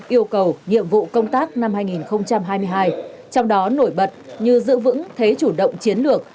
yêu cầu nhiệm vụ công tác năm hai nghìn hai mươi hai trong đó nổi bật như giữ vững thế chủ động chiến lược